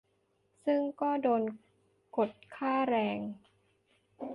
ซึ่งก็โดนกดค่าแรง